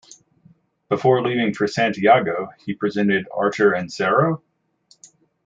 Before leaving for Santiago, he presented Acher en serio?